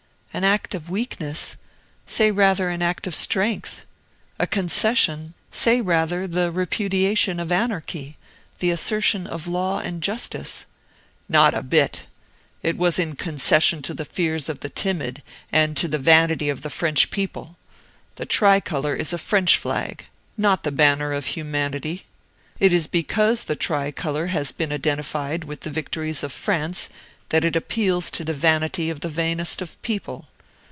"An act of weakness? say rather an act of strength. A concession? say rather the repudiation of anarchy, the assertion of law and justice." "Not a bit. It was concession to the fears of the timid, and to the vanity of the French people. The tricolor is a French flag not the banner of humanity. It is because the tricolor has been identified with the victories of France that it appeals to the vanity of the vainest of people.